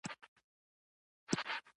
وايي بهلول د سلطان محمود غزنوي ورور و.